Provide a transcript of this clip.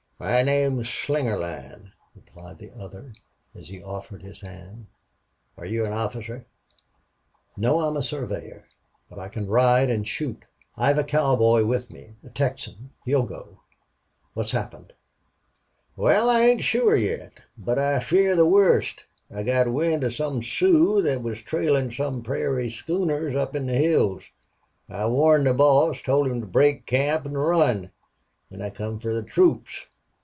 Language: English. "My name's Slingerland," replied the other, as he offered his hand. "Are you an officer?" "No. I'm a surveyor. But I can ride and shoot. I've a cowboy with me a Texan. He'll go. What's happened?" "Wal, I ain't sure yet. But I fear the wust. I got wind of some Sioux thet was trailin' some prairie schooners up in the hills. I warned the boss told him to break camp an' run. Then I come fer the troops.